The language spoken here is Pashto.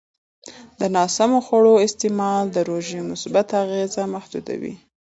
د ناسمو خوړو استعمال د روژې مثبت اغېز محدودوي.